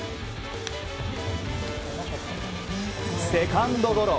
セカンドゴロ。